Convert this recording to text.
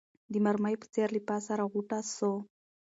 د مرمۍ په څېر له پاسه راغوټه سو